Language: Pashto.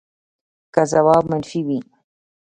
که ځواب منفي وي